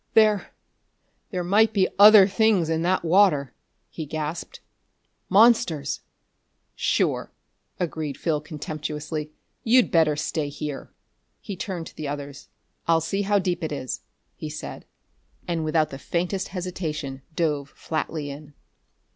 "There there might be other things in that water!" he gasped. "Monsters!" "Sure," agreed Phil contemptuously. "You'd better stay here." He turned to the others. "I'll see how deep it is," he said, and without the faintest hesitation dove flatly in.